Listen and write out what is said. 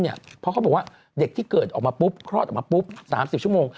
เพราะเขาบอกว่าเด็กที่เกิดออกมาปุ๊บคลอดออกมาปุ๊บ๓๐ชั่วโมง